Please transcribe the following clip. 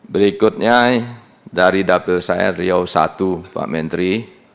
berikutnya dari dapil saya riau i pak menteri